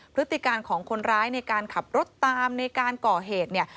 พฤติการของคนร้ายในการขับรถตามในการก่อเหตุเนี่ย